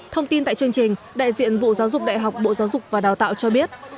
thông tin tại chương trình đại diện vụ giáo dục đại học bộ giáo dục và đào tạo cho biết